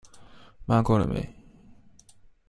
罵夠了沒？